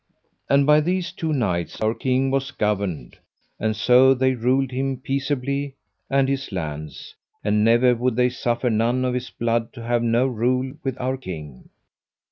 And by these two knights our king was governed, and so they ruled him peaceably and his lands, and never would they suffer none of his blood to have no rule with our king.